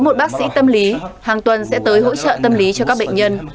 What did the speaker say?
một bác sĩ tâm lý hàng tuần sẽ tới hỗ trợ tâm lý cho các bệnh nhân